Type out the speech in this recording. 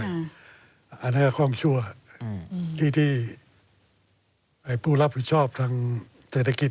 อันนั้นก็ความชั่วที่ผู้รับผิดชอบทางเศรษฐกิจ